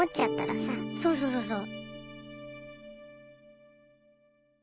そうそうそうそう。